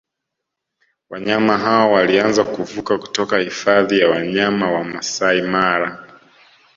Wanyama hao walianza kuvuka kutoka Hifadhi ya Wanyama ya Maasai Mara